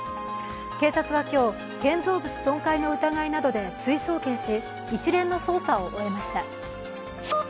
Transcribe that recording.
警察は今日、建造物損壊の疑いなどで追送検し一連の捜査を終えました。